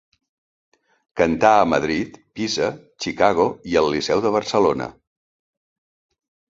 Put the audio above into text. Cantà a Madrid, Pisa, Chicago i al Liceu de Barcelona.